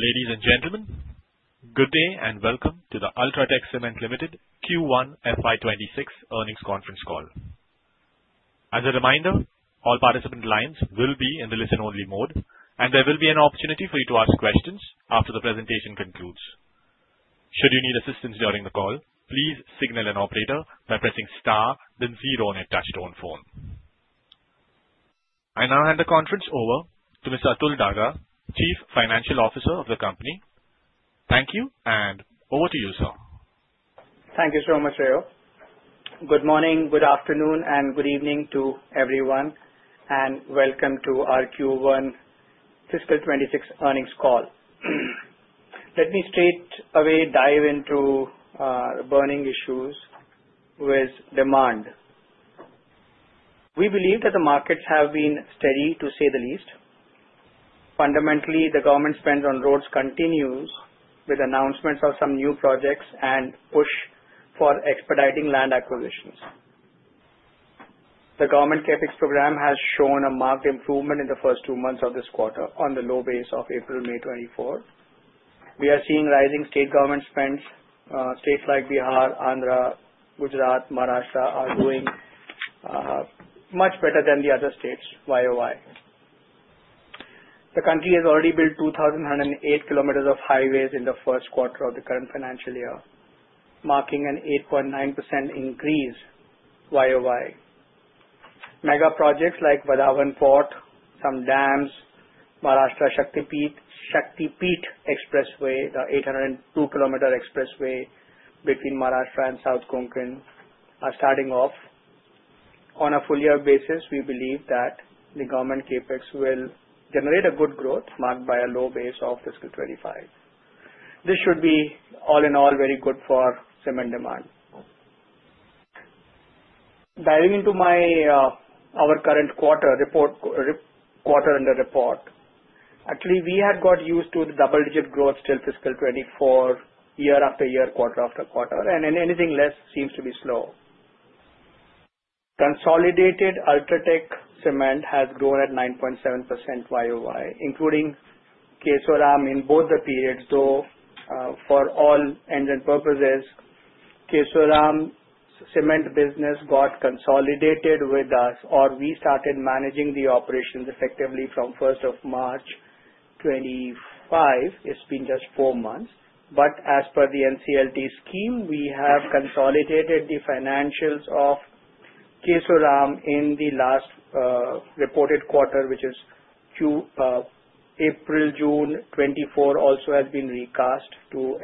Ladies and gentlemen, good day and welcome to the UltraTech Cement Limited Q1 FY 2026 earnings conference call. As a reminder, all participant lines will be in the listen-only mode, and there will be an opportunity for you to ask questions after the presentation concludes. Should you need assistance during the call, please signal an operator by pressing star, then zero on a touch-tone phone. I now hand the conference over to Mr. Atul Daga, Chief Financial Officer of the company. Thank you, and over to you, sir. Thank you so much, Atul. Good morning, good afternoon, and good evening to everyone, and welcome to our Q1 Fiscal 2026 Earnings Call. Let me straight away dive into burning issues with demand. We believe that the markets have been steady, to say the least. Fundamentally, the government spend on roads continues with announcements of some new projects and push for expediting land acquisitions. The government CapEx program has shown a marked improvement in the first two months of this quarter on the low base of April, May 2024. We are seeing rising state government spends. States like Bihar, Andhra, Gujarat, and Maharashtra are doing much better than the other states YOY. The country has already built 2,108 km of highways in the first quarter of the current financial year, marking an 8.9% increase YOY. Mega projects like Vadhavan Port, some dams, Maharashtra Shaktipeeth Expressway, the 802-km expressway between Maharashtra and South Konkan, are starting off. On a full-year basis, we believe that the government CapEx will generate a good growth marked by a low base of fiscal 2025. This should be, all in all, very good for cement demand. Diving into our current quarter and report, actually, we had got used to the double-digit growth till fiscal 2024, year- after-year, quarter-after-quarter, and anything less seems to be slow. Consolidated UltraTech Cement has grown at 9.7% YOY, including Kesoram in both the periods, though for all ends and purposes, Kesoram cement business got consolidated with us, or we started managing the operations effectively from 1st of March 2025. It's been just four months, but as per the NCLT scheme, we have consolidated the financials of Kesoram in the last reported quarter, which is April, June 2024, also has been recast to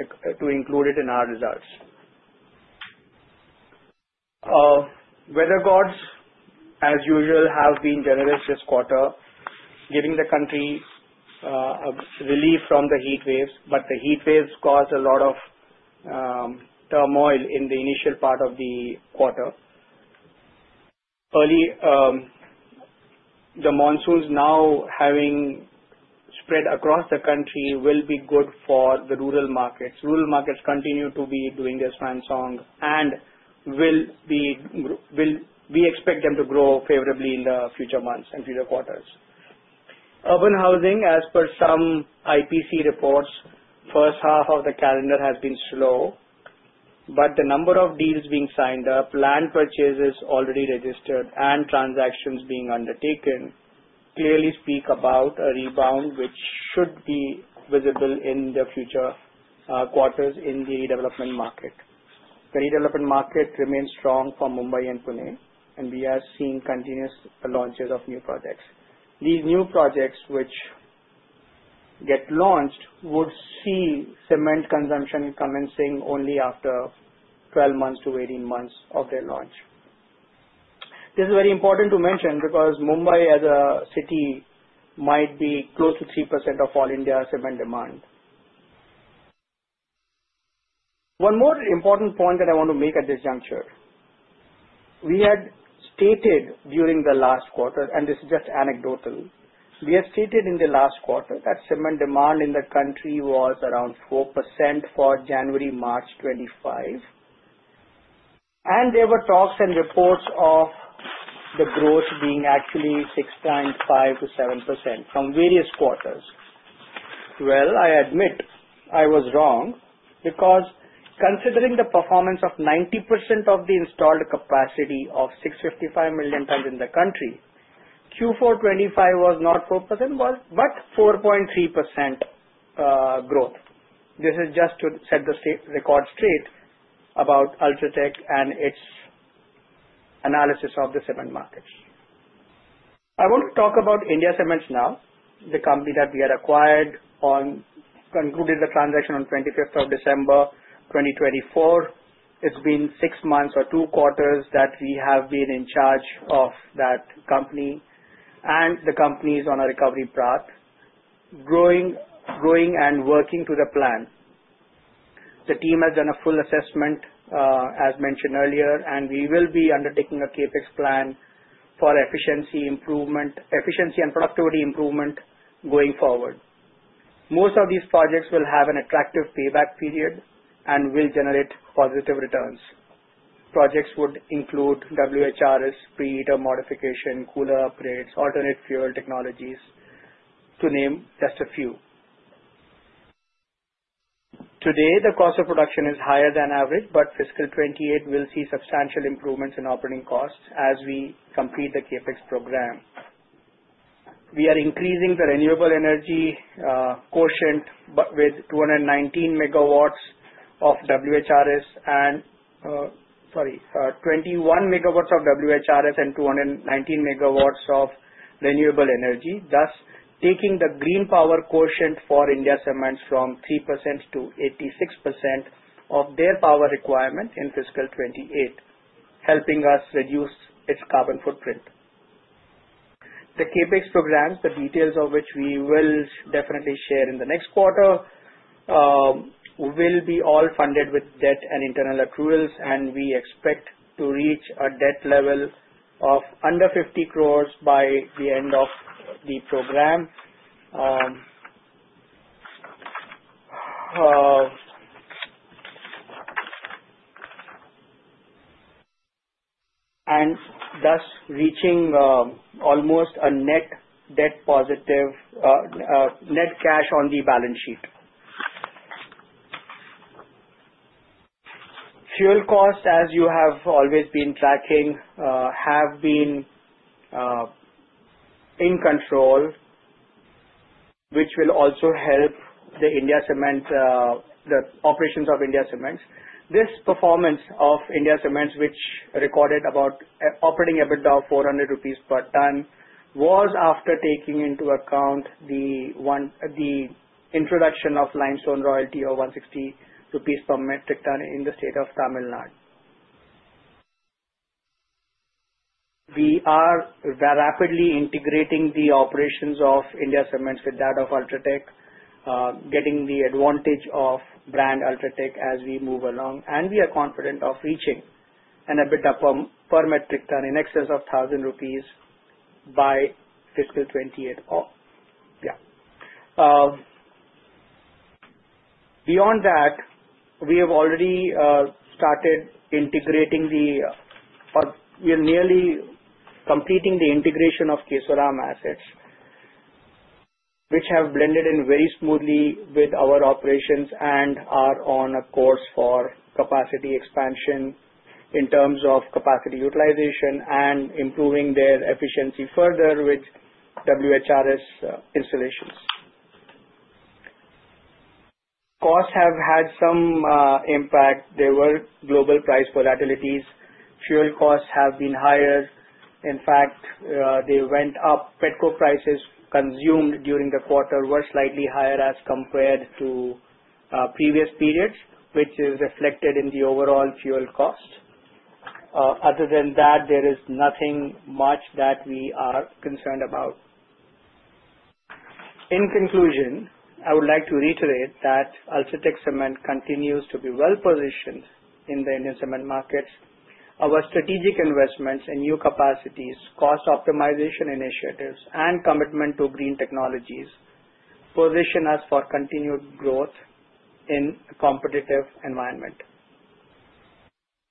include it in our results. Weather gods, as usual, have been generous this quarter, giving the country relief from the heat waves, but the heat waves caused a lot of turmoil in the initial part of the quarter. The monsoons now having spread across the country will be good for the rural markets. Rural markets continue to be doing their swan song, and we expect them to grow favorably in the future months and future quarters. Urban housing, as per some IPC reports, the first half of the calendar has been slow, but the number of deals being signed up, land purchases already registered, and transactions being undertaken clearly speak about a rebound which should be visible in the future quarters in the development market. The development market remains strong for Mumbai and Pune, and we have seen continuous launches of new projects. These new projects which get launched would see cement consumption commencing only after 12 months-18 months of their launch. This is very important to mention because Mumbai, as a city, might be close to 3% of all India's cement demand. One more important point that I want to make at this juncture. We had stated during the last quarter, and this is just anecdotal. We had stated in the last quarter that cement demand in the country was around 4% for January 2025-March 2025, and there were talks and reports of the growth being actually 6.5%-7% from various quarters, well. I admit I was wrong because considering the performance of 90% of the installed capacity of 655 million tons in the country, Q4 2025 was not 4%, but 4.3% growth. This is just to set the record straight about UltraTech and its analysis of the cement markets. I want to talk about India Cements now, the company that we had acquired. Concluded the transaction on 25th of December 2024. It's been six months or two quarters that we have been in charge of that company, and the company is on a recovery path, growing and working to the plan. The team has done a full assessment, as mentioned earlier, and we will be undertaking a CapEx plan for efficiency and productivity improvement going forward. Most of these projects will have an attractive payback period and will generate positive returns. Projects would include WHRS, pre-heater modification, cooler upgrades, alternate fuel technologies, to name just a few. Today, the cost of production is higher than average, but fiscal 2028 will see substantial improvements in operating costs as we complete the CapEx program. We are increasing the renewable energy quotient with 219 MWs of WHRS and, sorry, 21 MWs of WHRS and 219 MWs of renewable energy, thus taking the green power quotient for India Cements from 3%-86% of their power requirement in fiscal 2028, helping us reduce its carbon footprint. The CapEx program, the details of which we will definitely share in the next quarter, will be all funded with debt and internal accruals, and we expect to reach a debt level of under 50 crores by the end of the program, and thus reaching almost a net cash on the balance sheet. Fuel costs, as you have always been tracking, have been in control, which will also help the operations of India Cements. This performance of India Cements, which recorded about operating EBITDA of 400 rupees per ton, was after taking into account the introduction of limestone royalty of 160 rupees per metric ton in the state of Tamil Nadu. We are rapidly integrating the operations of India Cements with that of UltraTech, getting the advantage of brand UltraTech as we move along, and we are confident of reaching an EBITDA per metric ton in excess of 1,000 rupees by fiscal 2028. Yeah. Beyond that, we have already started integrating the, or we are nearly completing the integration of Kesoram assets, which have blended in very smoothly with our operations and are on a course for capacity expansion in terms of capacity utilization and improving their efficiency further with WHRS installations. Costs have had some impact. There were global price volatilities. Fuel costs have been higher. In fact, they went up. Petcoke prices consumed during the quarter were slightly higher as compared to previous periods, which is reflected in the overall fuel cost. Other than that, there is nothing much that we are concerned about. In conclusion, I would like to reiterate that UltraTech Cement continues to be well positioned in the Indian cement markets. Our strategic investments and new capacities, cost optimization initiatives, and commitment to green technologies position us for continued growth in a competitive environment.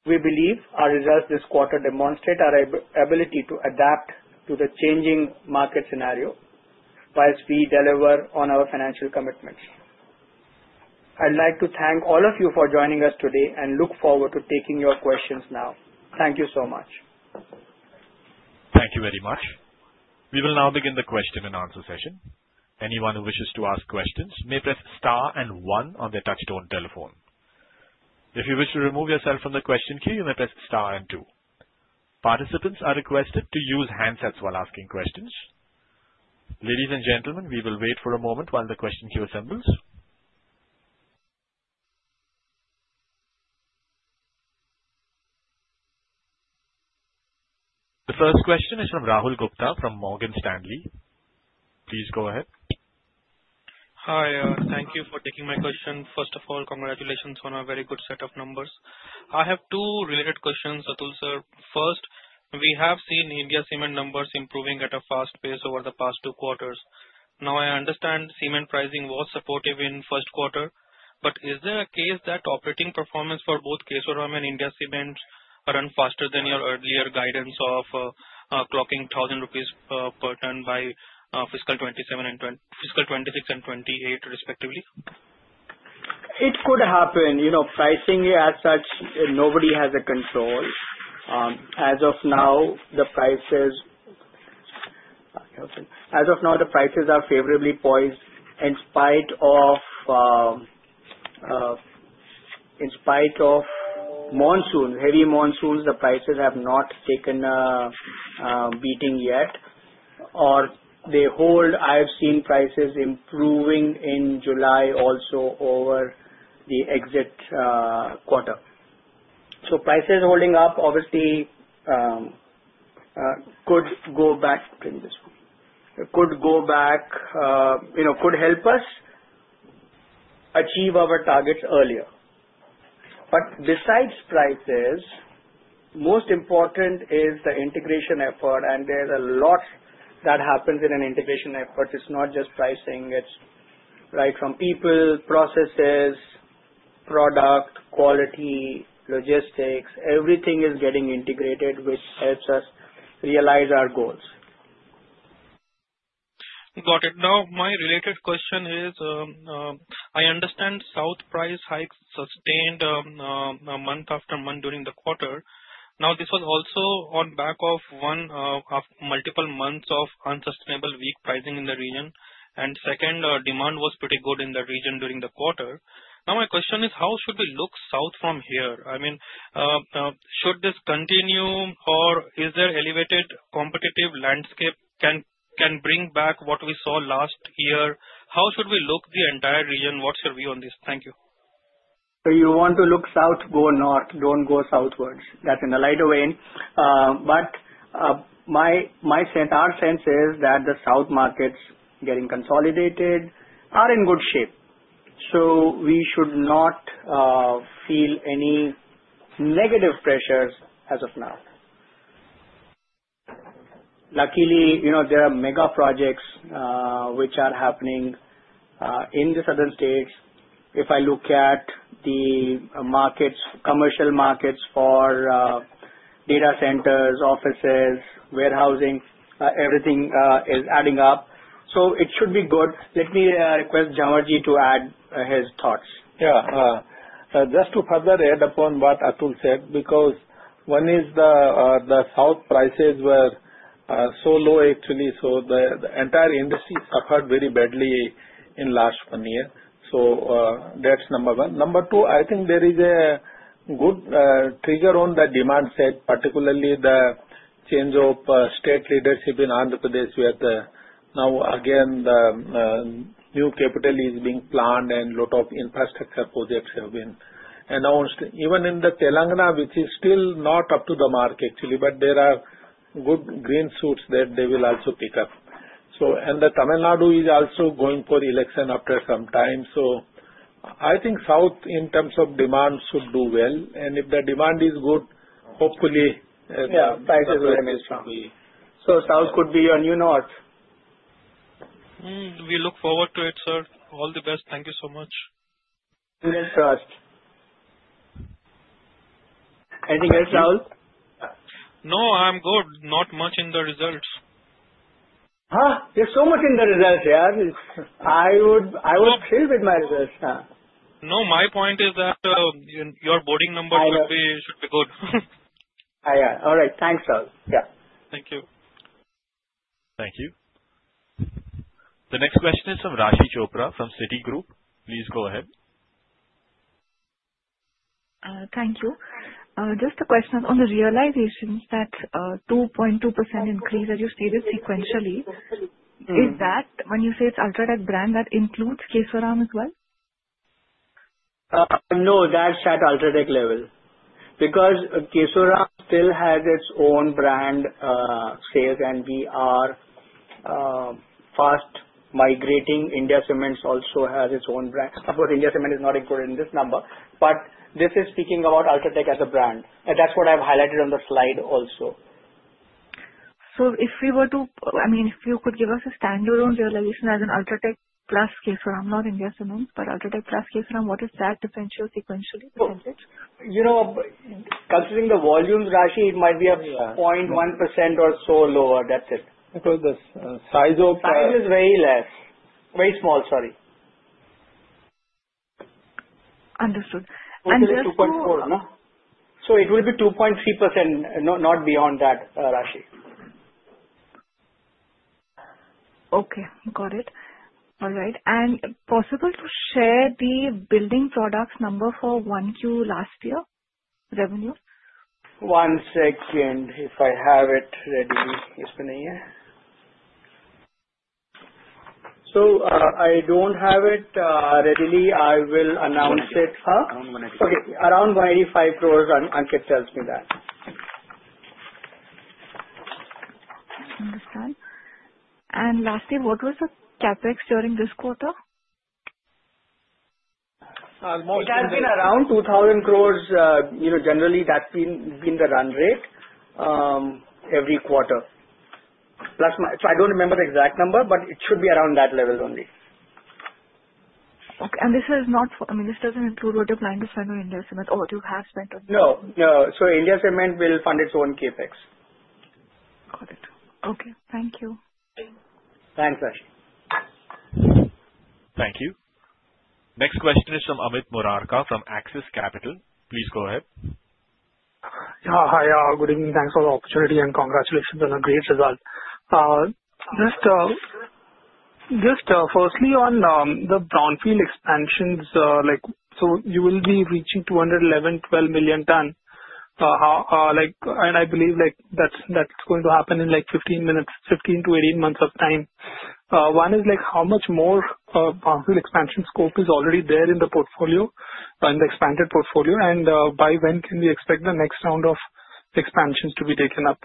We believe our results this quarter demonstrate our ability to adapt to the changing market scenario whilst we deliver on our financial commitments. I'd like to thank all of you for joining us today and look forward to taking your questions now. Thank you so much. Thank you very much. We will now begin the question and answer session. Anyone who wishes to ask questions may press star and one on their touch-tone telephone. If you wish to remove yourself from the question queue, you may press star and two. Participants are requested to use handsets while asking questions. Ladies and gentlemen, we will wait for a moment while the question queue assembles. The first question is from Rahul Gupta from Morgan Stanley. Please go ahead. Hi, All. Thank you for taking my question. First of all, congratulations on a very good set of numbers. I have two related questions, Atul sir. First, we have seen India Cements numbers improving at a fast pace over the past two quarters. Now, I understand cement pricing was supportive in the first quarter, but is there a case that operating performance for both Kesoram and India Cements ran faster than your earlier guidance of clocking 1,000 rupees per ton by fiscal 2026 and 2028, respectively? It could happen. Pricing, as such, nobody has a control. As of now, the prices are favorably poised in spite of monsoons, heavy monsoons. The prices have not taken a beating yet, or they hold. I've seen prices improving in July also over the exit quarter. So prices holding up, obviously, could go back, could help us achieve our targets earlier. But besides prices, most important is the integration effort, and there's a lot that happens in an integration effort. It's not just pricing. It's right from people, processes, product, quality, logistics. Everything is getting integrated, which helps us realize our goals. Got it. Now, my related question is, I understand south price hikes sustained month after month during the quarter. Now, this was also on back of multiple months of unsustainable weak pricing in the region, and second, demand was pretty good in the region during the quarter. Now, my question is, how should we look south from here? I mean, should this continue, or is there elevated competitive landscape can bring back what we saw last year? How should we look the entire region? What's your view on this? Thank you. So you want to look south, go north. Don't go southwards. That's in the light of rain. But my sense is that the south markets getting consolidated are in good shape, so we should not feel any negative pressures as of now. Luckily, there are mega projects which are happening in the southern states. If I look at the commercial markets for data centers, offices, warehousing, everything is adding up, so it should be good. Let me request Jhanwar to add his thoughts. Yeah. Just to further add upon what Atul said, because one is the south prices were so low, actually, so the entire industry suffered very badly in the last one year. So that's number one. Number two, I think there is a good trigger on the demand side, particularly the change of state leadership in Andhra Pradesh where now, again, the new capital is being planned and a lot of infrastructure projects have been announced. Even in the Telangana, which is still not up to the mark, actually, but there are good green shoots that they will also pick up. And Tamil Nadu is also going for election after some time. So I think south, in terms of demand, should do well. And if the demand is good, hopefully. Yeah, prices will remain strong. So south could be your new north. We look forward to it, sir. All the best. Thank you so much. [You're in charge]. Anything else, Rahul? No, I'm good. Not much in the results. Huh? There's so much in the results, yeah. I would chill with my results. No, my point is that your boarding numbers should be good. Yeah. All right. Thanks, Rahul. Yeah. Thank you. Thank you. The next question is from Raashi Chopra from Citigroup. Please go ahead. Thank you. Just a question on the realizations that 2.2% increase that you stated sequentially, is that when you say it's UltraTech brand, that includes Kesoram as well? No, that's at UltraTech level because Kesoram still has its own brand sales, and we are fast migrating. India Cements also has its own brand. Of course, India Cements is not included in this number, but this is speaking about UltraTech as a brand. That's what I've highlighted on the slide also. So if we were to, I mean, if you could give us a standalone realization as an UltraTech plus Kesoram, not India Cements, but UltraTech plus Kesoram, what is that differential sequentially? Considering the volumes, Raashi, it might be a 0.1% or so lower. That's it. Because the size of. Size is very less. Very small, sorry. Understood. And just. It will be 2.4, no? So it will be 2.3%, not beyond that, Raashi. Okay. Got it. All right. And possible to share the building products number for 1Q last year revenue? One second, if I have it ready. It's been a year. So I don't have it readily. I will announce it. Around 185. Okay. Around 185 crores, Ankit tells me that. Understood. Lastly, what was the CapEx during this quarter? It has been around 2,000 crores. Generally, that's been the run rate every quarter. So I don't remember the exact number, but it should be around that level only. Okay. And this is not, I mean, this doesn't include what you're planning to spend on India Cements or what you have spent on. No. No. So India Cements will fund its own CapEx. Got it. Okay. Thank you. Thanks, Raashi. Thank you. Next question is from Amit Murarka from Axis Capital. Please go ahead. Yeah. Hi, Atul. Good evening. Thanks for the opportunity and congratulations on a great result. Just firstly, on the brownfield expansions, so you will be reaching 211.12 million ton. And I believe that's going to happen in 15 months-18 months of time. One is how much more brownfield expansion scope is already there in the portfolio, in the expanded portfolio, and by when can we expect the next round of expansions to be taken up?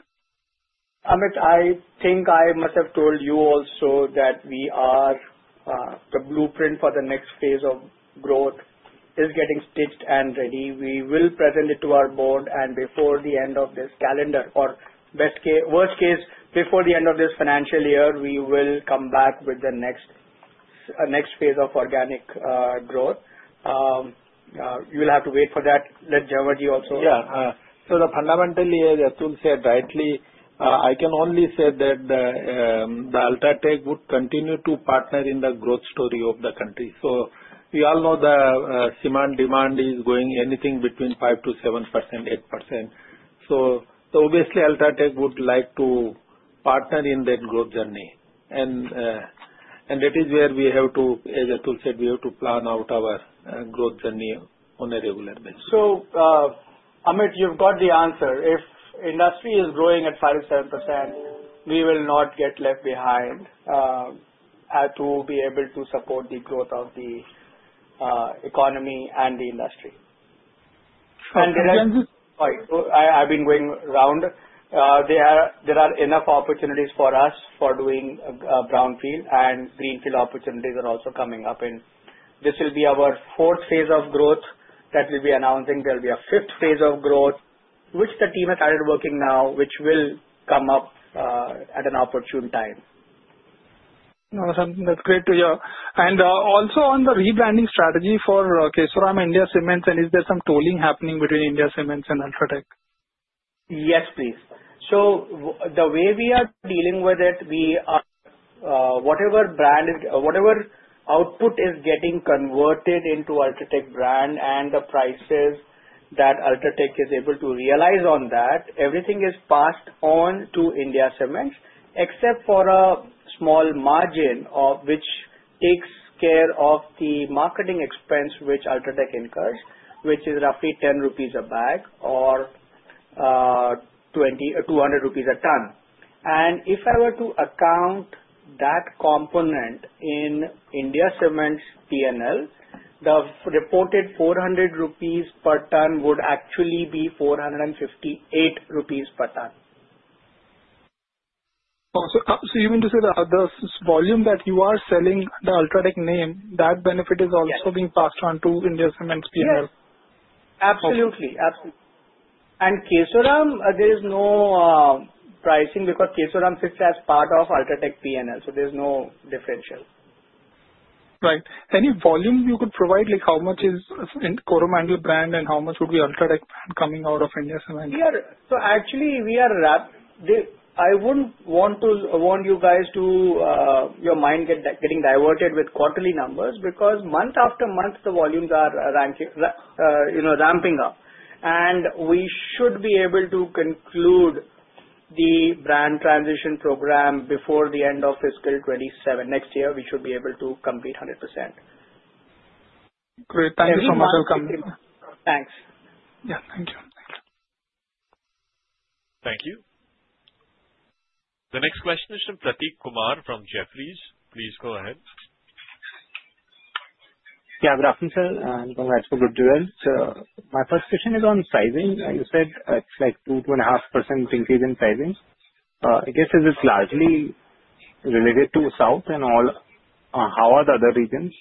Amit, I think I must have told you also that we are the blueprint for the next phase of growth is getting stitched and ready. We will present it to our board, and before the end of this calendar, or worst case, before the end of this financial year, we will come back with the next phase of organic growth. You'll have to wait for that. Let Jhanwar ji also. Yeah. So, fundamentally, as Atul said rightly, I can only say that UltraTech would continue to partner in the growth story of the country. So we all know the demand is going anything between 5%-7%, 8%. So obviously, UltraTech would like to partner in that growth journey. And that is where we have to, as Atul said, we have to plan out our growth journey on a regular basis. Amit, you've got the answer. If industry is growing at 5%-7%, we will not get left behind to be able to support the growth of the economy and the industry. And. In terms of. Sorry, I've been going round. There are enough opportunities for us for doing brownfield, and greenfield opportunities are also coming up, and this will be our fourth phase of growth that we'll be announcing. There'll be a fifth phase of growth, which the team has started working now, which will come up at an opportune time. No, that's great to hear, and also on the rebranding strategy for Kesoram and India Cements, and is there some tolling happening between India Cements and UltraTech? Yes, please. The way we are dealing with it, whatever output is getting converted into UltraTech brand and the prices that UltraTech is able to realize on that, everything is passed on to India Cements, except for a small margin which takes care of the marketing expense which UltraTech incurs, which is roughly 10 rupees a bag or 200 rupees a ton. And if I were to account that component in India Cements' P&L, the reported 400 rupees per ton would actually be 458 rupees per ton. So even to say that this volume that you are selling the UltraTech name, that benefit is also being passed on to India Cements' P&L? Yes. Absolutely. Absolutely. And Kesoram, there is no pricing because Kesoram sits as part of UltraTech P&L, so there's no differential. Right. Any volume you could provide? How much is Coromandel brand, and how much would be UltraTech brand coming out of India Cements? Actually, I wouldn't want you guys to have your mind getting diverted with quarterly numbers because month-after-month, the volumes are ramping up. We should be able to conclude the brand transition program before the end of fiscal 2027. Next year, we should be able to complete 100%. Great. Thank you so much, Atul. Thanks. Yeah. Thank you. Thank you. Thank you. The next question is from Prateek Kumar from Jefferies. Please go ahead. Yeah, good afternoon, sir. And congrats for good Q1. So my first question is on pricing. You said it's like 2%-2.5% increase in pricing. I guess is this largely related to south, and how are the other regions?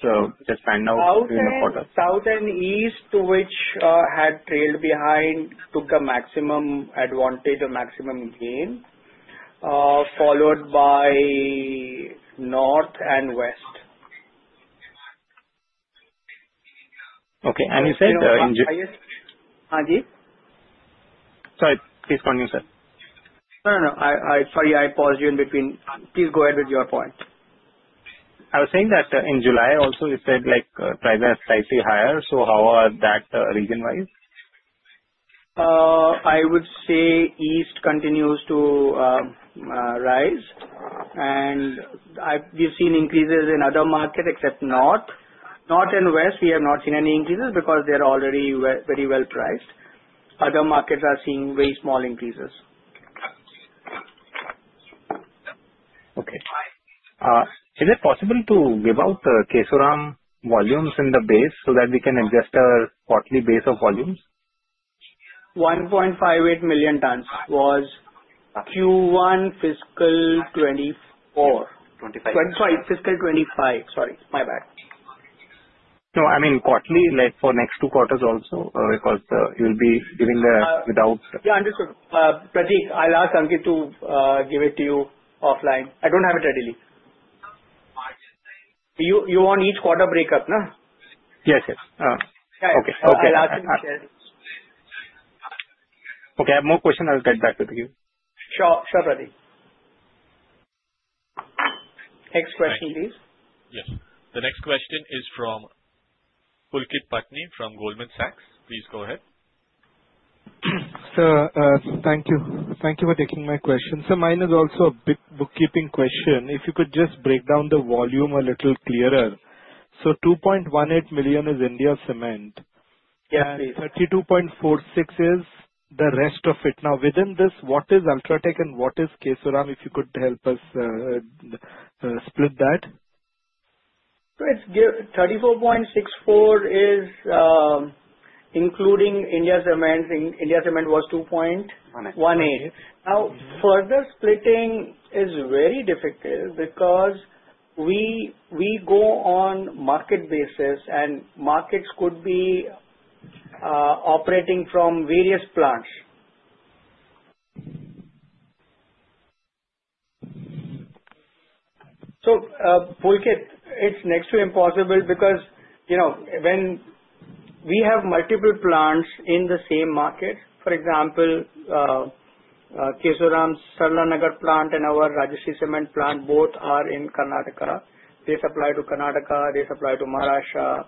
Just find out during the quarter. South and East, which had trailed behind, took the maximum advantage or maximum gain, followed by North and West. Okay. And you said in. So the highest Sorry. Please continue, sir. No, no, no. Sorry, I paused you in between. Please go ahead with your point. I was saying that in July, also, you said prices are slightly higher. So how are they region-wise? I would say east continues to rise, and we've seen increases in other markets except north. North and west, we have not seen any increases because they are already very well priced. Other markets are seeing very small increases. Okay. Is it possible to give out the Kesoram volumes in the base so that we can adjust our quarterly base of volumes? 1.58 million tons was Q1 fiscal 2024. 2025. Sorry. Fiscal 2025. Sorry. My bad. No, I mean quarterly for next two quarters also because you'll be giving the without. Yeah. Understood. Prateek, I'll ask Ankit to give it to you offline. I don't have it readily. You want each quarter breakup, no? Yes, yes. Yeah. I'll ask him to share. Okay. I have more questions. I'll get back with you. Sure. Sure, Prateek. Next question, please. Yes. The next question is from Pulkit Patni from Goldman Sachs. Please go ahead. Sir, thank you. Thank you for taking my question. So mine is also a big bookkeeping question. If you could just break down the volume a little clearer? So 2.18 million is India Cements. Yes. 32.46 is the rest of it. Now, within this, what is UltraTech and what is Kesoram, if you could help us split that? So it's 34.64 including India Cements. India Cements was 2.18. Now, further splitting is very difficult because we go on market basis, and markets could be operating from various plants. So Pulkit, it's next to impossible because when we have multiple plants in the same market, for example, Kesoram's Sarlanagar plant and our Rajashree Cement plant both are in Karnataka. They supply to Karnataka. They supply to Maharashtra,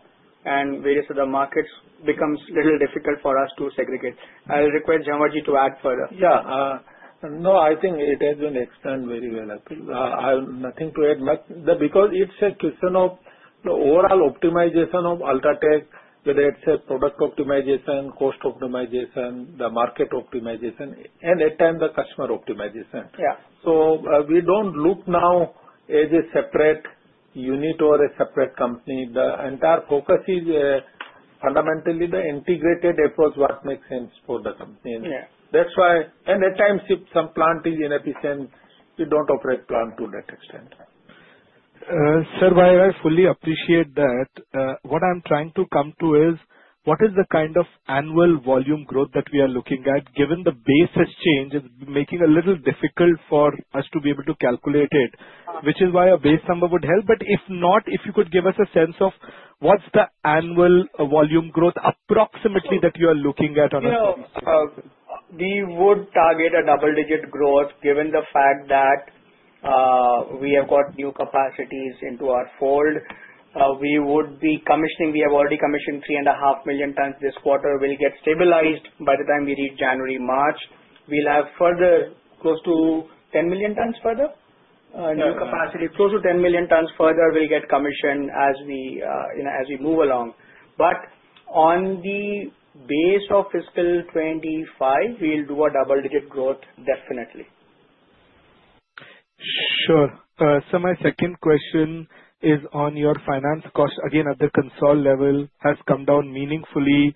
and various other markets becomes a little difficult for us to segregate. I'll request Jhanwar to add further. Yeah. No, I think it has been explained very well. I have nothing to add because it's a question of the overall optimization of UltraTech, whether it's a product optimization, cost optimization, the market optimization, and at times, the customer optimization. So we don't look now as a separate unit or a separate company. The entire focus is fundamentally the integrated approach, what makes sense for the company. And at times, if some plant is inefficient, we don't operate plant to that extent. Sir, I fully appreciate that. What I'm trying to come to is what is the kind of annual volume growth that we are looking at? Given the base has changed, it's making a little difficult for us to be able to calculate it, which is why a base number would help. But if not, if you could give us a sense of what's the annual volume growth approximately that you are looking at on a fiscal basis. We would target a double-digit growth given the fact that we have got new capacities into our fold. We would be commissioning. We have already commissioned 3.5 million tons this quarter. We'll get stabilized by the time we reach January, March. We'll have further close to 10 million tons further. New capacity, close to 10 million tons further, we'll get commissioned as we move along. But on the base of fiscal 2025, we'll do a double-digit growth, definitely. Sure. So my second question is on your finance cost. Again, at the consolidated level, has come down meaningfully.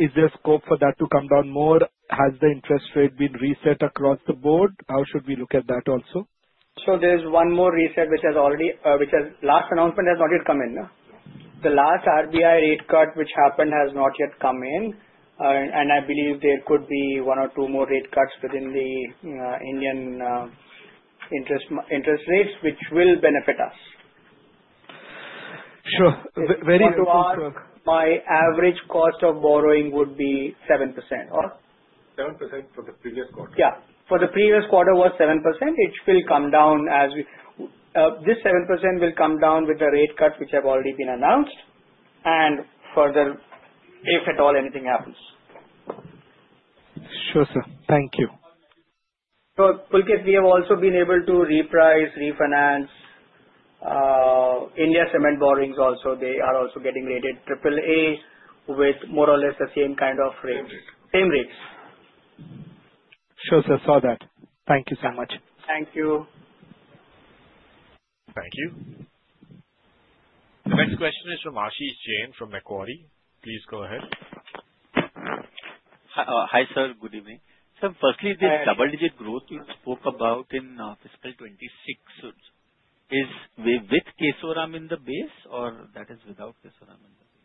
Is there scope for that to come down more? Has the interest rate been reset across the board? How should we look at that also? There's one more rate cut which has not yet come in. The last RBI rate cut which happened has not yet come in. I believe there could be one or two more rate cuts within the Indian interest rates, which will benefit us. Sure. Very interesting. My average cost of borrowing would be 7%. 7% for the previous quarter? Yeah. For the previous quarter, it was 7%. It will come down as this 7% will come down with the rate cut which has already been announced and further if at all anything happens. Sure, sir. Thank you. Pulkit, we have also been able to reprice, refinance India Cements borrowings also. They are also getting rated AAA with more or less the same kind of rates. Same rates. Sure, sir. Saw that. Thank you so much. Thank you. Thank you. The next question is from Ashish Jain from Macquarie. Please go ahead. Hi, sir. Good evening. Sir, firstly, this double-digit growth you spoke about in fiscal 2026, is with Kesoram in the base or that is without Kesoram in the base?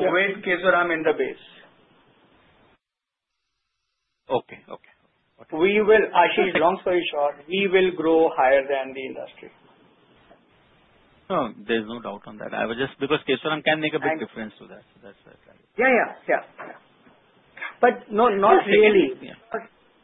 With Kesoram in the bag. Okay. We will, Ashish, long story short, we will grow higher than the industry. There's no doubt on that. Because Kesoram can make a big difference to that. So that's why I'm trying to. Yeah. But no, not really.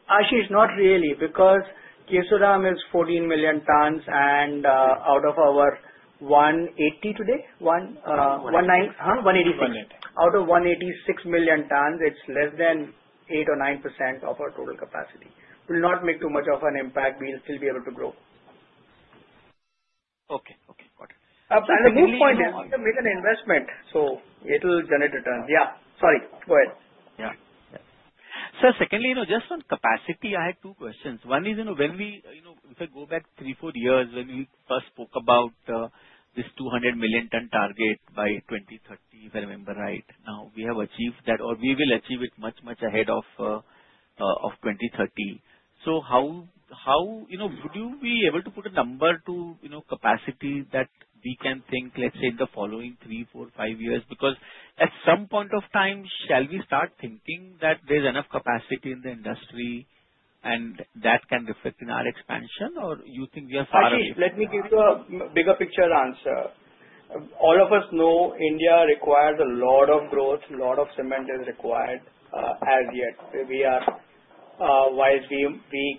Ashish, not really because Kesoram is 14 million tons, and out of our 180 today? 190? Huh? 186. 180. Out of 186 million tons, it's less than 8% or 9% of our total capacity. It will not make too much of an impact. We'll still be able to grow. Okay. Got it. The main point is to make an investment so it'll generate returns. Yeah. Sorry. Go ahead. Yeah. Sir, secondly, just on capacity, I had two questions. One is when, if I go back three, four years when we first spoke about this 200 million ton target by 2030, if I remember right, now we have achieved that or we will achieve it much, much ahead of 2030. So how would you be able to put a number to capacity that we can think, let's say, in the following three, four, five years? Because at some point of time, shall we start thinking that there's enough capacity in the industry and that can reflect in our expansion, or do you think we are far away? Ashish, let me give you a bigger picture answer. All of us know India requires a lot of growth. A lot of cement is required as yet. We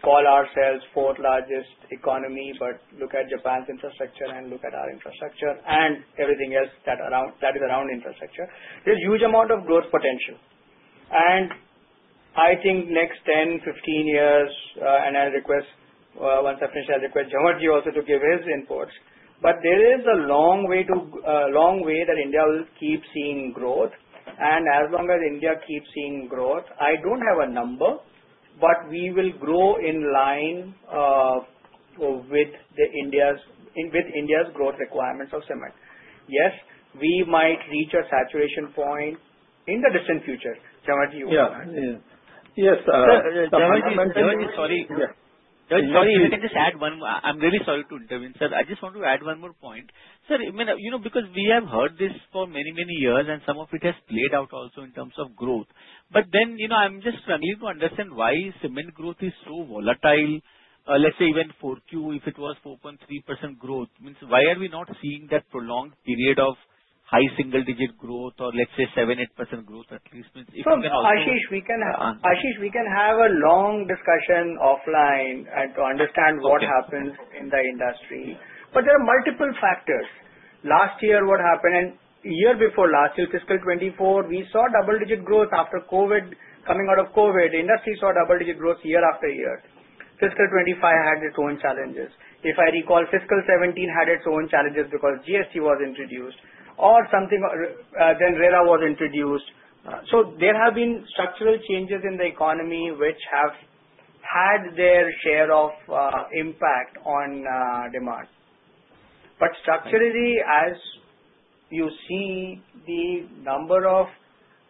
call ourselves fourth-largest economy, but look at Japan's infrastructure and look at our infrastructure and everything else that is around infrastructure. There's a huge amount of growth potential. And I think next 10, 15 years, and I'll request once I finish, I'll request Jhanwar also to give his inputs, but there is a long way that India will keep seeing growth. And as long as India keeps seeing growth, I don't have a number, but we will grow in line with India's growth requirements of cement. Yes, we might reach a saturation point in the distant future. Jhanwar, you want to add? Yeah. Yes. Jhanwarj, sorry. Sorry, if I can just add one more, I'm really sorry to intervene, sir. I just want to add one more point. Sir, because we have heard this for many, many years, and some of it has played out also in terms of growth. But then I'm just struggling to understand why cement growth is so volatile. Let's say even 4Q, if it was 4.3% growth, means why are we not seeing that prolonged period of high single-digit growth or, let's say, 7%-8% growth at least? So, Ashish, we can have a long discussion offline to understand what happens in the industry. But there are multiple factors. Last year, what happened? And a year before last year, fiscal 24, we saw double-digit growth after COVID, coming out of COVID. Industry saw double-digit growth year after year. Fiscal 25 had its own challenges. If I recall, fiscal 17 had its own challenges because GST was introduced or something, then RERA was introduced. So there have been structural changes in the economy which have had their share of impact on demand. But structurally, as you see, the number of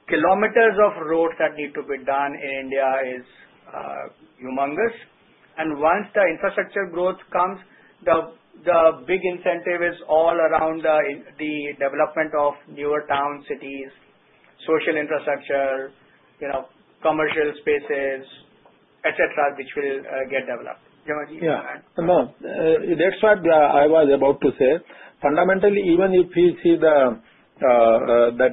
kilometers of road that need to be done in India is humongous. And once the infrastructure growth comes, the big incentive is all around the development of newer towns, cities, social infrastructure, commercial spaces, etc., which will get developed. Jhanwar? Yeah. That's what I was about to say. Fundamentally, even if we see the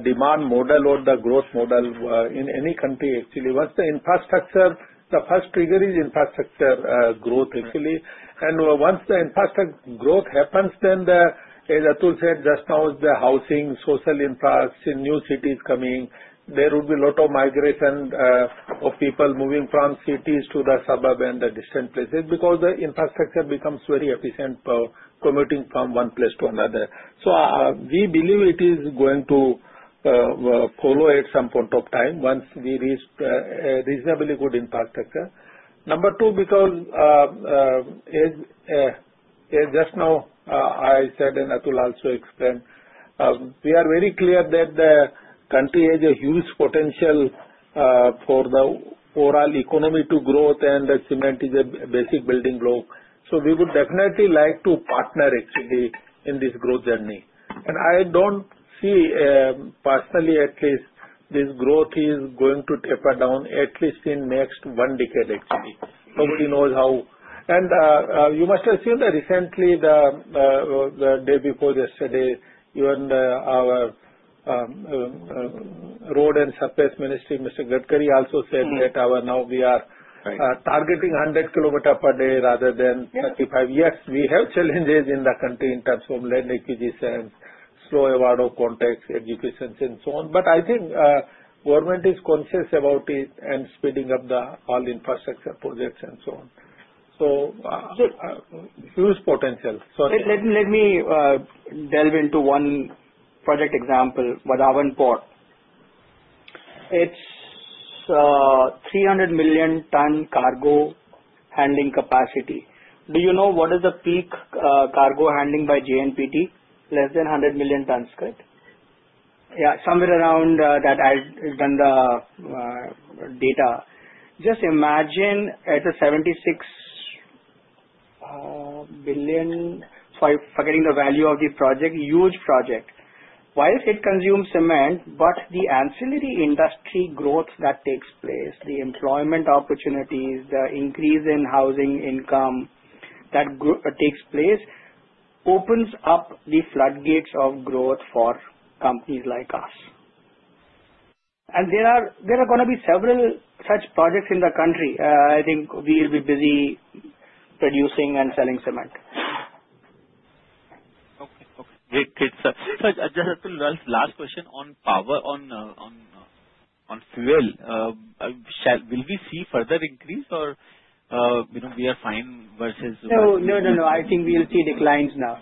demand model or the growth model in any country, actually, once the infrastructure, the first trigger is infrastructure growth, actually. And once the infrastructure growth happens, then the, as Atul said just now, the housing, social infrastructure, new cities coming, there would be a lot of migration of people moving from cities to the suburb and the distant places because the infrastructure becomes very efficient for commuting from one place to another. So we believe it is going to follow at some point of time once we reach reasonably good infrastructure. Number two, because just now I said, and Atul also explained, we are very clear that the country has a huge potential for the overall economy to grow, and cement is a basic building block. So we would definitely like to partner, actually, in this growth journey. I don't see, personally at least, this growth is going to taper down at least in the next one decade, actually. Nobody knows how. You must have seen that recently, the day before yesterday, even our Road Transport and Highways Ministry, Mr. Gadkari, also said that now we are targeting 100 kms per day rather than 35. Yes, we have challenges in the country in terms of land acquisition, slow availability of contracts, executions, and so on. But I think the government is conscious about it and speeding up all infrastructure projects and so on. So huge potential. Sorry. Let me delve into one project example, Vadhavan Port. It's 300 million tons cargo handling capacity. Do you know what is the peak cargo handling by JNPT? Less than 100 million tons, correct? Yeah. Somewhere around that, I've done the data. Just imagine at the 76 billion, forgetting the value of the project, huge project. While it consumes cement, but the ancillary industry growth that takes place, the employment opportunities, the increase in housing income that takes place opens up the floodgates of growth for companies like us. And there are going to be several such projects in the country. I think we'll be busy producing and selling cement. Okay. Great. Sir, just Atul, last question on fuel. Will we see further increase or we are fine versus? No, no, no. I think we'll see declines now.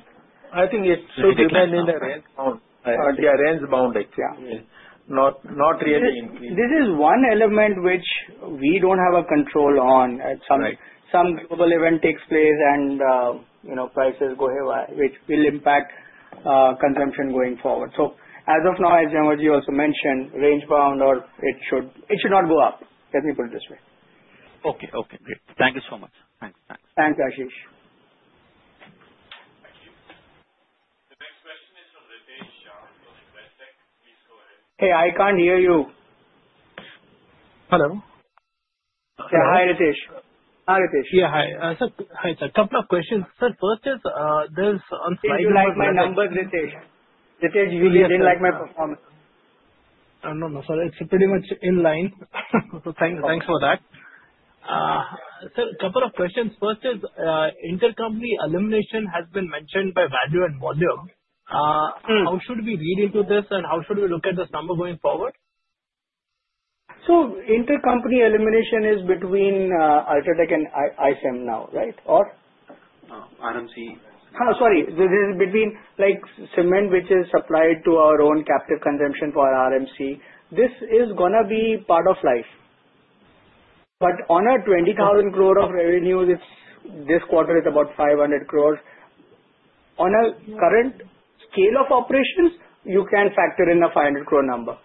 I think it's so dependent on the range bound, actually. Not really increase. This is one element which we don't have a control on. Some global event takes place and prices go haywire, which will impact consumption going forward. So as of now, as Jhanwar also mentioned, range bound or it should not go up. Let me put it this way. Okay. Great. Thank you so much. Thanks. Thanks. Thanks, Ashish. The next question is from Ritesh Shah from Investec. Please go ahead. Hey, I can't hear you. Hello? Yeah. Hi, Ritesh. Yeah. Hi. Sir, couple of questions. Sir, first is there's [Slide my number Ritesh. Ritesh, you didn't like my performance. No, no, sorry. It's pretty much in line. So thanks for that. Sir, a couple of questions. First is intercompany elimination has been mentioned by value and volume. How should we read into this and how should we look at this number going forward? So intercompany elimination is between UltraTech and India Cements now, right? Or? RMC. This is between cement, which is supplied to our own captive consumption for RMC. This is going to be part of life. But on a 20,000 crore of revenue, this quarter is about 500 crore. On a current scale of operations, you can factor in a 500 crore number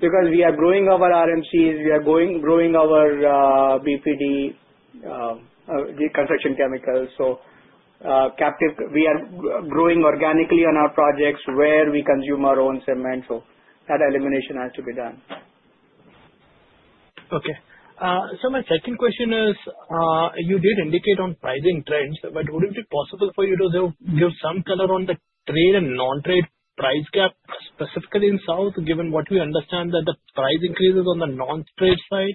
because we are growing our RMCs. We are growing our BPD, the construction chemicals. So we are growing organically on our projects where we consume our own cement. So that elimination has to be done. Okay. My second question is, you did indicate on pricing trends, but would it be possible for you to give some color on the trade and non-trade price gap, specifically in South, given what we understand that the price increases on the non-trade side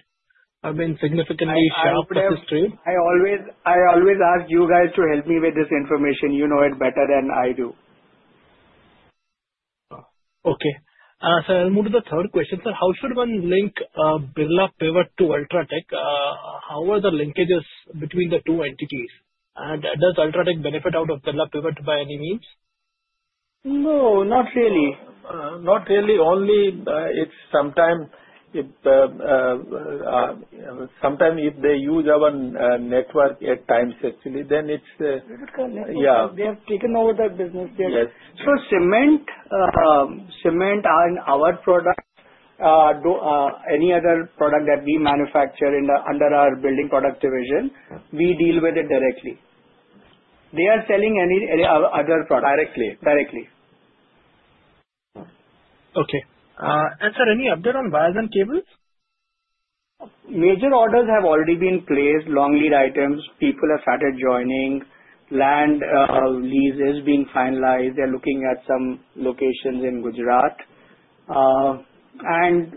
have been significantly sharper in this trade? I always ask you guys to help me with this information. You know it better than I do. Okay. Sir, I'll move to the third question. Sir, how should one link Birla Pivot to UltraTech? How are the linkages between the two entities? And does UltraTech benefit out of Birla Pivot by any means? No, not really. Not really. Only sometimes if they use our network at times, actually, then it's. What is it called? Yeah. They have taken over that business. Yes. So cement and our product, any other product that we manufacture under our building product division, we deal with it directly. They are selling any other product. Directly. Directly. Okay, and sir, any update on wires and cables? Major orders have already been placed. Long lead items. People have started joining. Land lease is being finalized. They're looking at some locations in Gujarat. And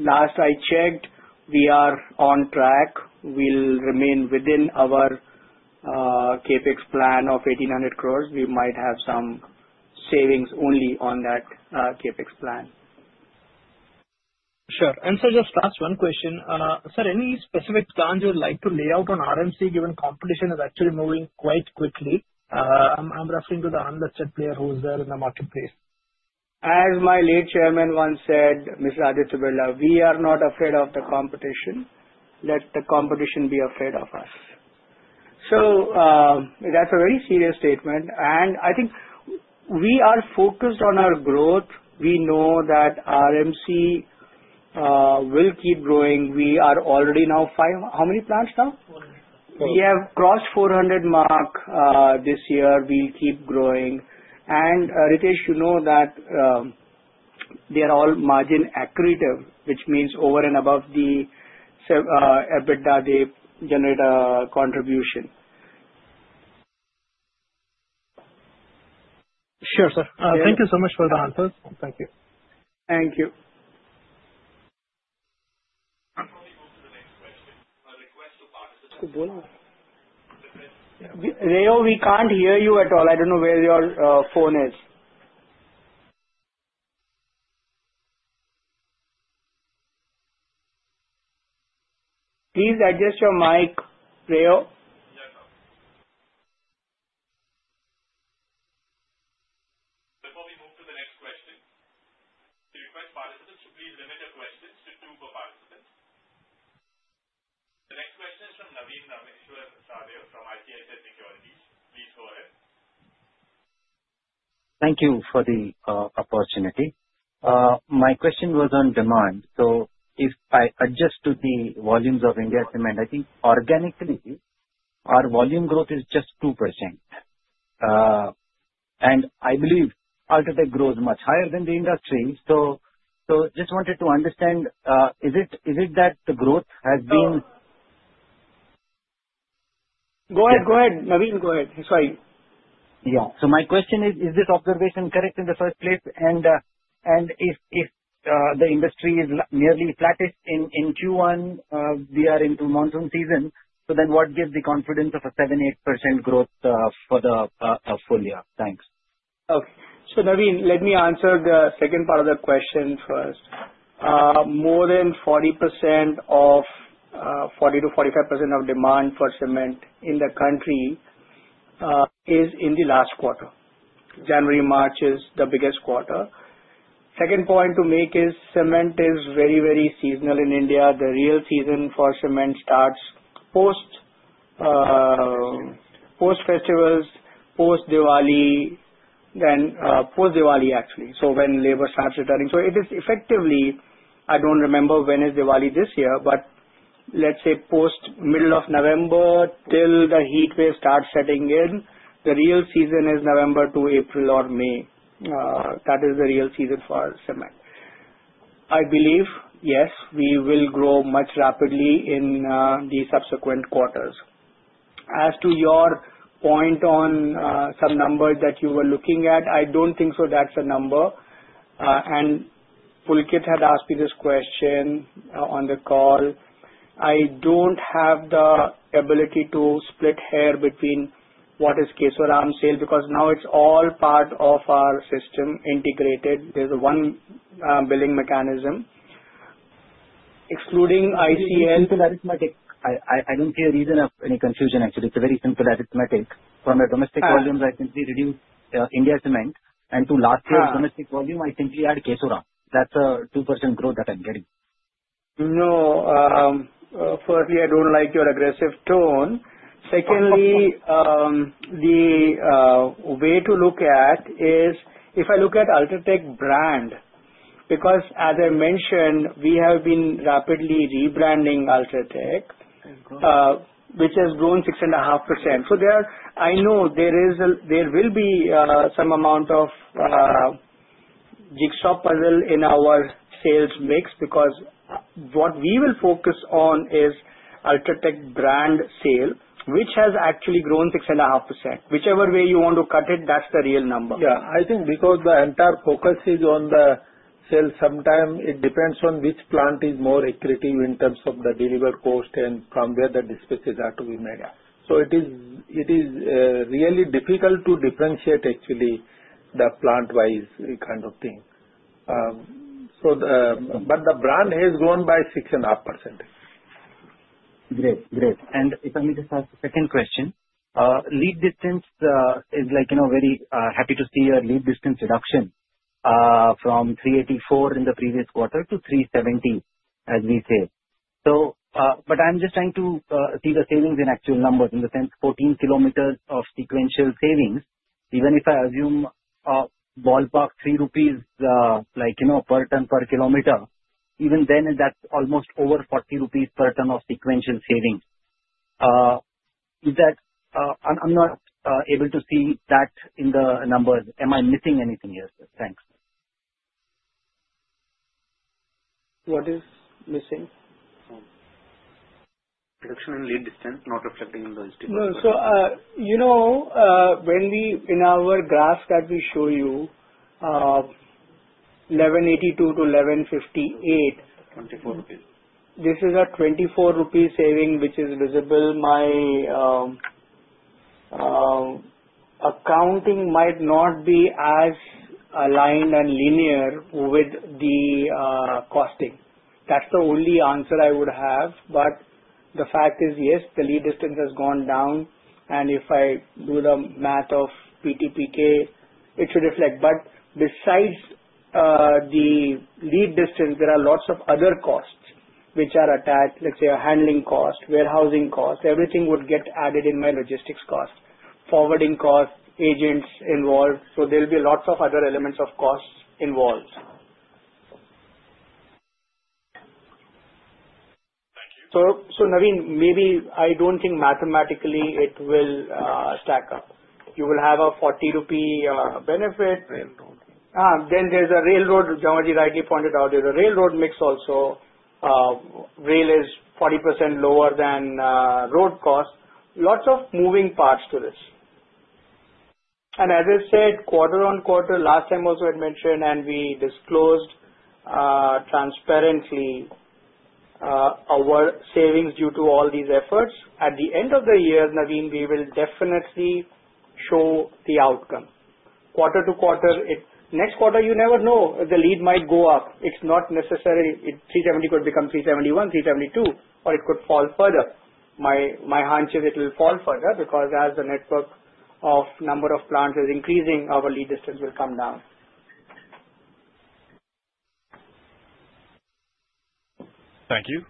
last I checked, we are on track. We'll remain within our CapEx plan of 1,800 crores. We might have some savings only on that CapEx plan. Sure. And sir, just last one question. Sir, any specific plans you would like to lay out on RMC given competition is actually moving quite quickly? I'm referring to the unlisted player who's there in the marketplace. As my late chairman once said, Mr. Aditya Vikram Birla, we are not afraid of the competition. Let the competition be afraid of us. So that's a very serious statement. And I think we are focused on our growth. We know that RMC will keep growing. We are already now how many plants now? 400. We have crossed 400 mark this year. We'll keep growing. And Ritesh, you know that they are all margin accretive, which means over and above the EBITDA, they generate a contribution. Sure, sir. Thank you so much for the answers. Thank you. Thank you. Could you go now? Reo, we can't hear you at all. I don't know where your phone is. Please adjust your mic, Reo. Before we move to the next question, to request participants, please limit your questions to two participants. The next question is from Navin Sahadeo from ICICI Securities. Please go ahead. Thank you for the opportunity. My question was on demand. So if I adjust to the volumes of India Cements, I think organically our volume growth is just 2%. And I believe UltraTech grows much higher than the industry. So just wanted to understand, is it that the growth has been? Go ahead. Go ahead, Navin. Go ahead. Sorry. Yeah. So my question is, is this observation correct in the first place, and if the industry is nearly flat in Q1, we are into monsoon season, so then what gives the confidence of a 7%-8% growth for the full year? Thanks. Okay. So, Navin, let me answer the second part of the question first. More than 40% of 40%-45% of demand for cement in the country is in the last quarter. January, March is the biggest quarter. Second point to make is cement is very, very seasonal in India. The real season for cement starts post-festivals, post-Diwali, then post-Diwali, actually. So when labor starts returning. So it is effectively, I don't remember when is Diwali this year, but let's say post-middle of November till the heat wave starts setting in, the real season is November to April or May. That is the real season for cement. I believe, yes, we will grow much rapidly in the subsequent quarters. As to your point on some numbers that you were looking at, I don't think so that's a number. And Pulkit had asked me this question on the call. I don't have the ability to split hairs between what is Kesoram sale because now it's all part of our system-integrated. There's one billing mechanism. Excluding ICL. I don't see a reason of any confusion, actually. It's a very simple arithmetic. From the domestic volumes, I simply reduce India Cements. And to last year's domestic volume, I simply add Kesoram. That's a 2% growth that I'm getting. No. Firstly, I don't like your aggressive tone. Secondly, the way to look at it is if I look at UltraTech brand, because as I mentioned, we have been rapidly rebranding UltraTech, which has grown 6.5%. So I know there will be some amount of jigsaw puzzle in our sales mix because what we will focus on is UltraTech brand sale, which has actually grown 6.5%. Whichever way you want to cut it, that's the real number. Yeah. I think because the entire focus is on the sale, sometimes it depends on which plant is more attractive in terms of the delivered cost and from where the dispatches are to be made. So it is really difficult to differentiate, actually, the plant-wise kind of thing. But the brand has grown by 6.5%. Great. And if I may just ask a second question, I'm very happy to see a lead distance reduction from 384 in the previous quarter to 370, as we say. But I'm just trying to see the savings in actual numbers in the sense 14 km of sequential savings. Even if I assume ballpark 3 rupees per ton per km, even then that's almost over 40 rupees per ton of sequential savings. I'm not able to see that in the numbers. Am I missing anything here? Thanks. What is missing? Reduction in lead distance not reflecting in the statistics. No. So when in our graph that we show you, 1182-1158. ₹24. This is a ₹24 saving, which is visible. My accounting might not be as aligned and linear with the costing. That's the only answer I would have. But the fact is, yes, the lead distance has gone down. And if I do the math of PTPK, it should reflect. But besides the lead distance, there are lots of other costs which are attached. Let's say a handling cost, warehousing cost. Everything would get added in my logistics cost, forwarding cost, agents involved. So there will be lots of other elements of costs involved. Thank you. So, Navin, maybe I don't think mathematically it will stack up. You will have a 40 rupee benefit. Railroad. Then there's a railroad. Jhanwar rightly pointed out. There's a railroad mix also. Rail is 40% lower than road cost. Lots of moving parts to this. And as I said, quarter on quarter, last time also I mentioned, and we disclosed transparently our savings due to all these efforts. At the end of the year, Navin, we will definitely show the outcome. Quarter-to-quarter, next quarter, you never know. The lead might go up. It's not necessary. 370 could become 371, 372, or it could fall further. My hunch is it will fall further because as the network of number of plants is increasing, our lead distance will come down. Thank you.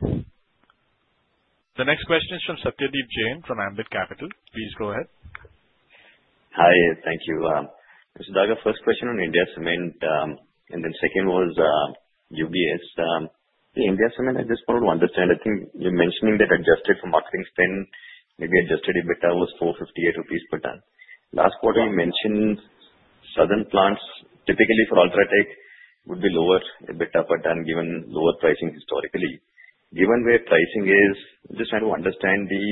The next question is from Satyadeep Jain from Ambit Capital. Please go ahead. Hi. Thank you. The first question on India Cements, and then second was UBS. The India Cements, I just wanted to understand. I think you're mentioning that adjusted for marketing spend, maybe adjusted EBITDA was 458 rupees per ton. Last quarter, you mentioned southern plants, typically for UltraTech, would be lower EBITDA per ton given lower pricing historically. Given where pricing is, I'm just trying to understand the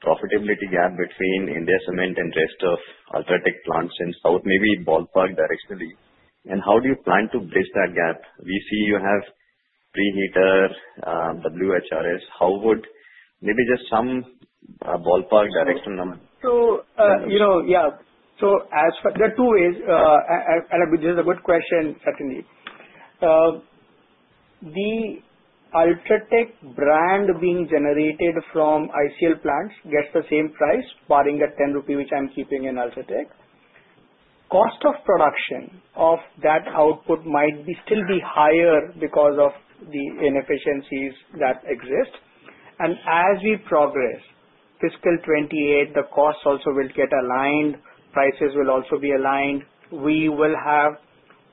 profitability gap between India Cements and rest of UltraTech plants in south, maybe ballpark directionally. And how do you plan to bridge that gap? We see you have pre-heater, WHRS. How would maybe just some ballpark directional number? Yeah. So there are two ways. And this is a good question, Satyadeep. The UltraTech brand being generated from ICL plants gets the same price, barring that 10 rupee, which I'm keeping in UltraTech. Cost of production of that output might still be higher because of the inefficiencies that exist. And as we progress, fiscal 2028, the costs also will get aligned. Prices will also be aligned. We will have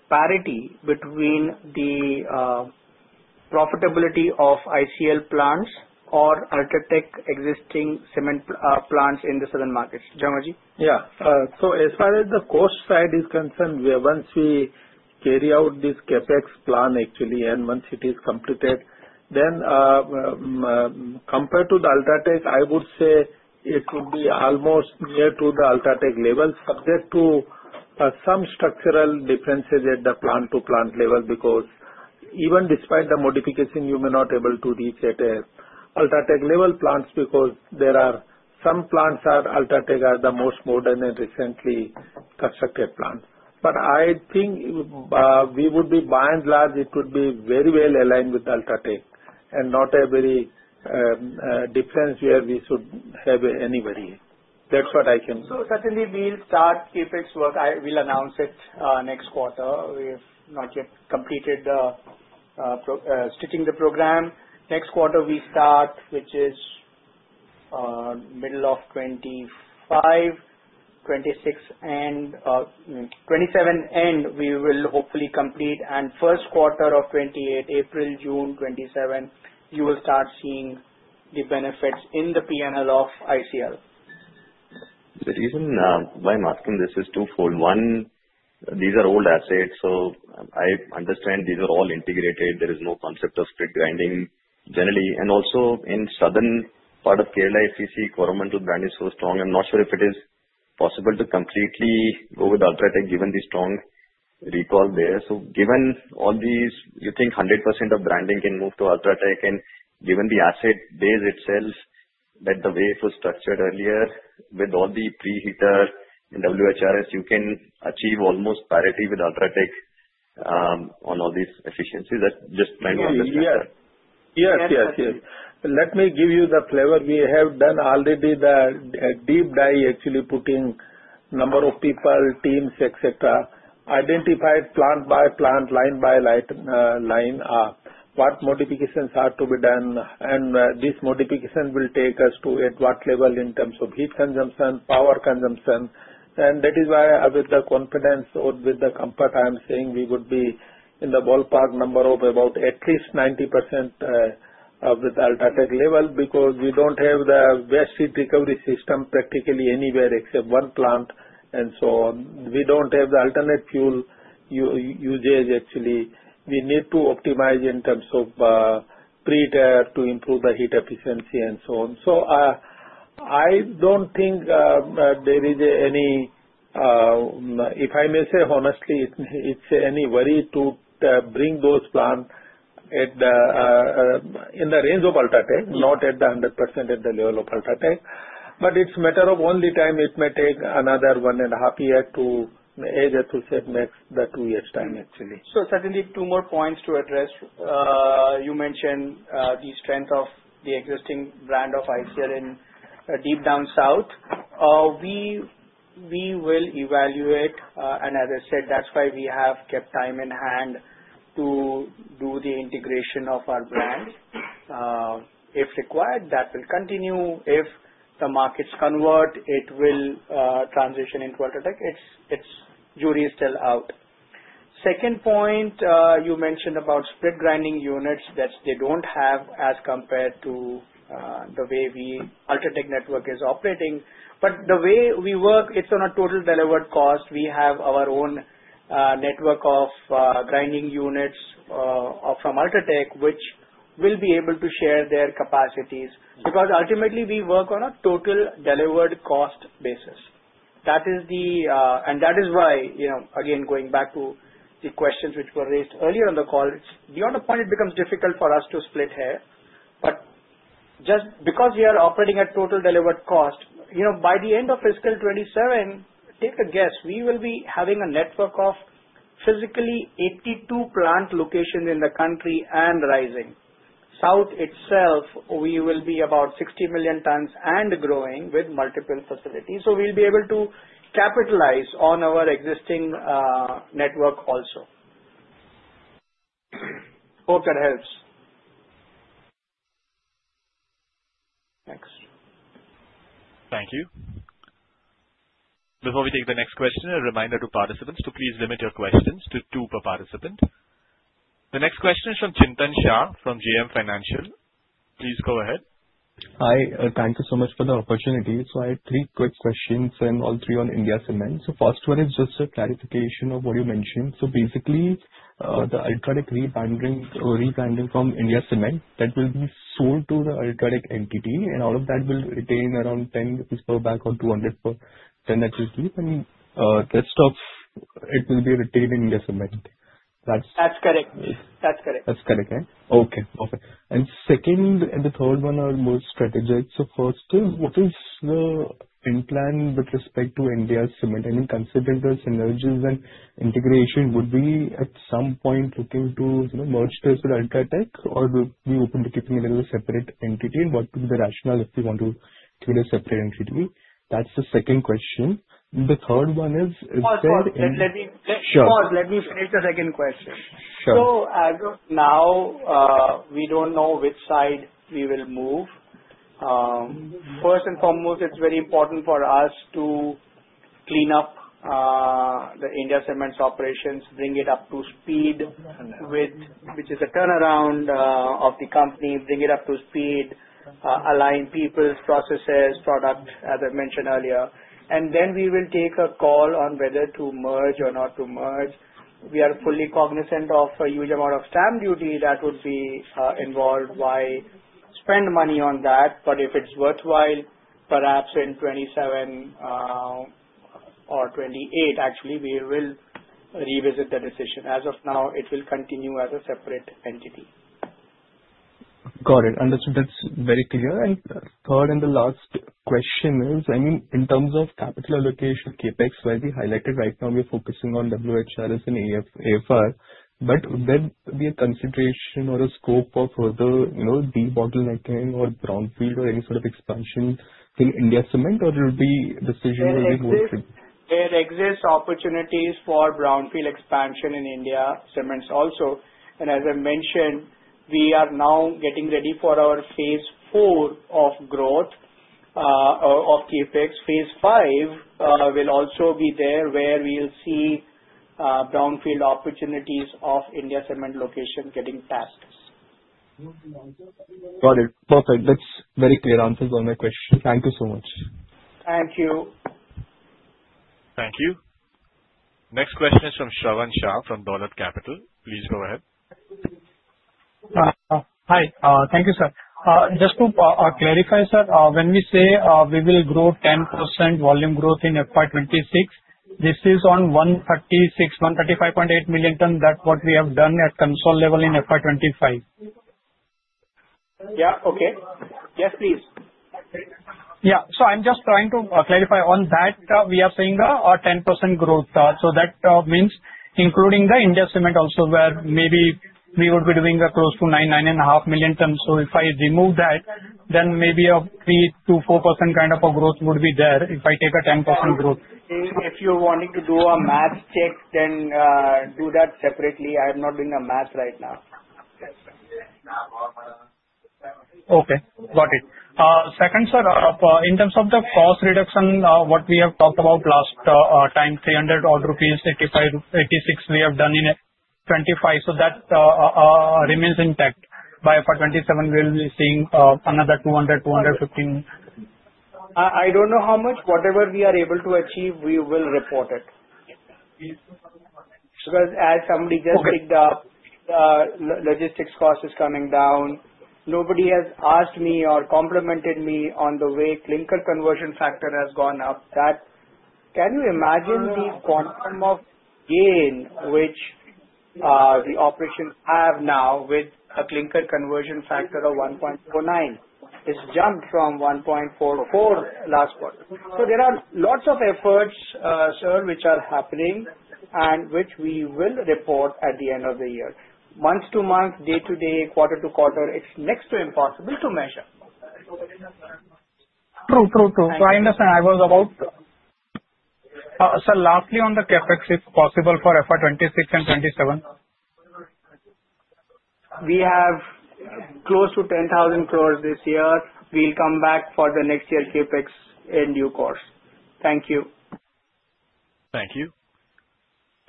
parity between the profitability of ICL plants or UltraTech existing cement plants in the southern markets. Jhanwar? Yeah. So as far as the cost side is concerned, once we carry out this CapEx plan, actually, and once it is completed, then compared to the UltraTech, I would say it would be almost near to the UltraTech level, subject to some structural differences at the plant-to-plant level because even despite the modification, you may not be able to reach at UltraTech level plants because there are some plants are UltraTech are the most modern and recently constructed plants. But I think we would be by and large, it would be very well aligned with UltraTech and not a very difference where we should have anywhere. That's what I can. Satyadeep, we'll start CapEx work. I will announce it next quarter. We have not yet completed stitching the program. Next quarter, we start, which is middle of 2025, 2026, and 2027, and we will hopefully complete. First quarter of 2028, April-June 2027, you will start seeing the benefits in the P&L of ICL. The reason why I'm asking this is twofold. One, these are old assets. So I understand these are all integrated. There is no concept of split grinding generally. And also in southern part of Kerala, if you see governmental brand is so strong, I'm not sure if it is possible to completely go with UltraTech given the strong recall there. So given all these, you think 100% of branding can move to UltraTech. And given the asset base itself, that the way it was structured earlier with all the pre-heater and WHRS, you can achieve almost parity with UltraTech on all these efficiencies. That's just my understanding. Yes. Let me give you the flavor. We have done already the deep dive, actually putting number of people, teams, etc., identified plant-by-plant, line by line, what modifications are to be done. And this modification will take us to at what level in terms of heat consumption, power consumption. And that is why with the confidence or with the comfort I'm saying, we would be in the ballpark number of about at least 90% with UltraTech level because we don't have the best heat recovery system practically anywhere except one plant and so on. We don't have the alternate fuel usage, actually. We need to optimize in terms of pre-heater to improve the heat efficiency and so on. I don't think there is any, if I may say honestly, it's any worry to bring those plants in the range of UltraTech, not at the 100% at the level of UltraTech. But it's a matter of only time it may take another one and a half year to, as I said, max the two years time, actually. Satyadeep, two more points to address. You mentioned the strength of the existing brand of ICL in deep down south. We will evaluate. And as I said, that's why we have kept time in hand to do the integration of our brand. If required, that will continue. If the markets convert, it will transition into UltraTech. Its jury is still out. Second point, you mentioned about split grinding units that they don't have as compared to the way the UltraTech network is operating. The way we work, it's on a total delivered cost. We have our own network of grinding units from UltraTech, which will be able to share their capacities because ultimately we work on a total delivered cost basis. And that is why, again, going back to the questions which were raised earlier on the call, beyond a point, it becomes difficult for us to split hairs. Just because we are operating at total delivered cost, by the end of fiscal 2027, take a guess, we will be having a network of physically 82 plant locations in the country and rising. South itself, we will be about 60 million tons and growing with multiple facilities. So we'll be able to capitalize on our existing network also. Hope that helps Thanks Thank you. Before we take the next question, a reminder to participants to please limit your questions to two per participant. The next question is from Chintan Shah from JM Financial. Please go ahead. Hi. Thank you so much for the opportunity. So I have three quick questions and all three on India Cements. So first one is just a clarification of what you mentioned. So basically, the UltraTech rebranding from India Cements, that will be sold to the UltraTech entity. And all of that will retain around 10 rupees per bag or 200 per ton, actually. And the rest of it will be retained in India Cements. That's correct. That's correct. That's correct, right? Okay. Perfect. And second and the third one are more strategic. So first, what is the intent with respect to India Cements? I mean, considering the synergies and integration, would we at some point looking to merge this with UltraTech, or would we be open to keeping it as a separate entity? And what would be the rationale if we want to keep it as a separate entity? That's the second question. The third one is, is there. Pause. Let me finish the second question, so as of now, we don't know which side we will move. First and foremost, it's very important for us to clean up the India Cements' operations, bring it up to speed with, which is a turnaround of the company, align people's processes, product, as I mentioned earlier, and then we will take a call on whether to merge or not to merge. We are fully cognizant of a huge amount of stamp duty that would be involved. Why spend money on that? But if it's worthwhile, perhaps in 2027 or 2028, actually, we will revisit the decision. As of now, it will continue as a separate entity. Got it. Understood. That's very clear. And third and the last question is, I mean, in terms of capital allocation CapEx, while we highlighted right now, we are focusing on WHRS and AFR. But would there be a consideration or a scope of further debottlenecking or brownfield or any sort of expansion in India Cements, or it would be decisions that we move to? There exist opportunities for brownfield expansion in India Cements also. And as I mentioned, we are now getting ready for our phase four of growth of CapEx. Phase five will also be there where we'll see brownfield opportunities of India Cements location getting past us. Got it. Perfect. That's very clear answers to all my questions. Thank you so much. Thank you. Thank you. Next question is from Shravan Shah from Dolat Capital. Please go ahead. Hi. Thank you, sir. Just to clarify, sir, when we say we will grow 10% volume growth in FY 2026, this is on 136, 135.8 million ton. That's what we have done at consolidated level in FY 2025. Yeah. Okay. Yes, please. Yeah. So I'm just trying to clarify on that. We are saying a 10% growth. So that means including the India Cements also where maybe we would be doing close to 9.5 million tons. So if I remove that, then maybe a 2%-4% kind of a growth would be there if I take a 10% growth. If you're wanting to do a math check, then do that separately. I have not done the math right now. Okay. Got it. Second, sir, in terms of the cost reduction, what we have talked about last time, 300 rupees, 86 we have done in 2025. So that remains intact. By FY 2027, we'll be seeing another 200, 215. I don't know how much. Whatever we are able to achieve, we will report it. Because as somebody just picked up, the logistics cost is coming down. Nobody has asked me or complimented me on the way clinker conversion factor has gone up. Can you imagine the quantum of gain which the operations have now with a clinker conversion factor of 1.49? It's jumped from 1.44 last quarter. So there are lots of efforts, sir, which are happening and which we will report at the end of the year. Month-to-month, day-to-day, quarter-to-quarter, it's next to impossible to measure. True. So I understand. Sir, lastly on the CapEx, if possible for FY 2026 and 2027. We have close to 10,000 crores this year. We'll come back for the next year CapEx in due course. Thank you. Thank you.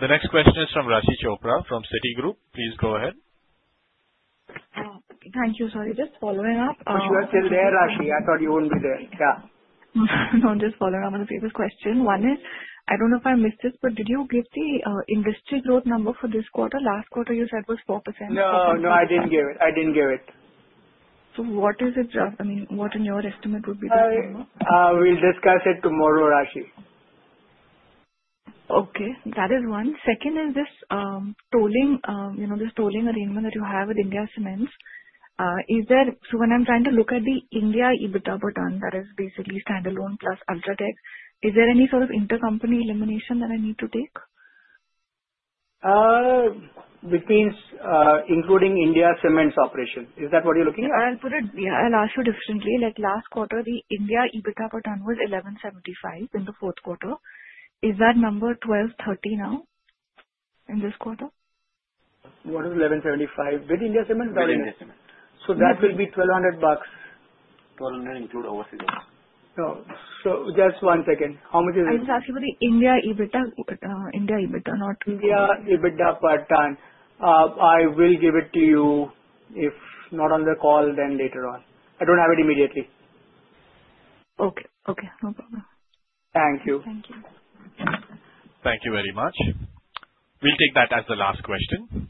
The next question is from Raashi Chopra from Citigroup. Please go ahead. Thank you. Sorry, just following up. You are still there, Raashi. I thought you wouldn't be there. Yeah. No, just following up on the previous question. One is, I don't know if I missed this, but did you give the industry growth number for this quarter? Last quarter, you said was 4%. No, no, I didn't give it. So what is it? I mean, what in your estimate would be the number? We'll discuss it tomorrow, Raashi. Okay. That is one. Second is this tolling arrangement that you have with India Cements. So when I'm trying to look at the India Cements EBITDA per ton that is basically standalone plus UltraTech, is there any sort of intercompany elimination that I need to take? Which means including India Cements' operation. Is that what you're looking at? Yeah, I'll ask you differently. Last quarter, the India EBITDA per ton was 1,175 in the fourth quarter. Is that number 1,230 now in this quarter? What is 1,175 with India Cements or India Cements? So that will be INR 1,200. 1,200 include overseas. So just one second. How much is it? I was asking for the India EBITDA, not. India EBITDA per ton. I will give it to you if not on the call, then later on. I don't have it immediately. Okay. Okay. No problem. Thank you. Thank you. Thank you very much. We'll take that as the last question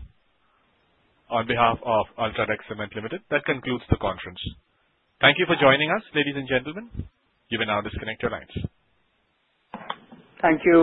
on behalf of UltraTech Cement Limited. That concludes the conference. Thank you for joining us, ladies and gentlemen. You may now disconnect your lines. Thank you.